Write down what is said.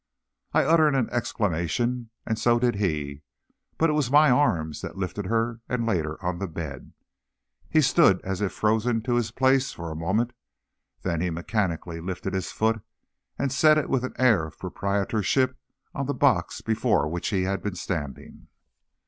I uttered an exclamation, and so did he; but it was my arms that lifted her and laid her on the bed. He stood as if frozen to his place for a moment, then he mechanically lifted his foot and set it with an air of proprietorship on the box before which he had been standing.